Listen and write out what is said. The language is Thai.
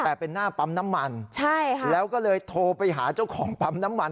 แต่เป็นหน้าปั๊มน้ำมันใช่ค่ะแล้วก็เลยโทรไปหาเจ้าของปั๊มน้ำมัน